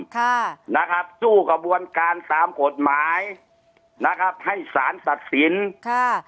ค่ะนะครับสู้กระบวนการตามกฎหมายนะครับให้สารตัดสินค่ะ